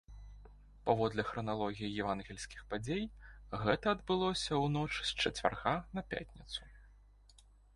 Паводле храналогіі евангельскіх падзей гэта адбылося ў ноч з чацвярга на пятніцу.